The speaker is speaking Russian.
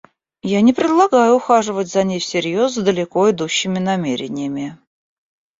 Я не предлагаю ухаживать за ней всерьез с далеко идущими намерениями.